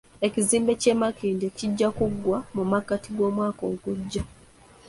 Ekizimbe ky'e Makindye kijja kuggwa mu makkati g'omwaka ogujja